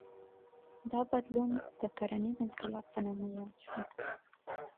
دا بدلون د کرنیز انقلاب په نامه یاد شو.